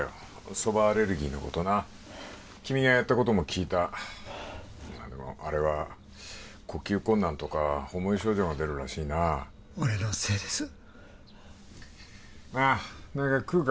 蕎麦アレルギーのことな君がやったことも聞いたまあでもあれは呼吸困難とか重い症状が出るらしいな俺のせいですなあ何か食うか？